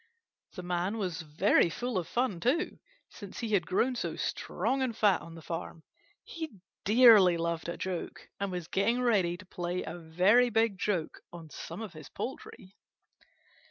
The Man was very full of fun, too, since he had grown so strong and fat on the farm. He dearly loved a joke, and was getting ready to play a very big joke on some of his poultry.